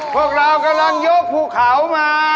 พวกเรากำลังยกภูเขามา